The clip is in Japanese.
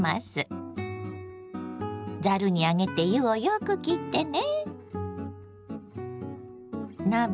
ざるに上げて湯をよくきってね。